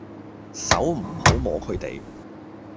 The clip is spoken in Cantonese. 手唔好摸佢哋